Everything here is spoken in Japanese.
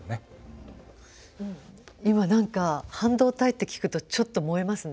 今何か半導体って聞くとちょっと萌えますね。